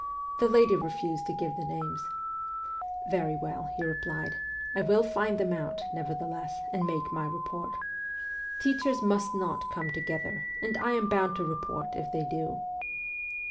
The lady refused to give the names. ' Very well,' he replied, ' I will find them out, nevertheless, and make my report. Teachers must not come together, and I am bound to report if they do.'